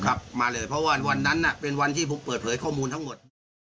มาเลยเพราะว่าวันนั้นน่ะเป็นวันที่ผมเปิดเผยข้อมูลทั้งหมด